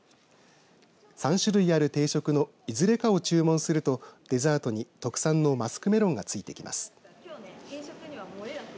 ３種類ある定食のいずれかを注文するとデザートに特産のマスクメロンがついてきます。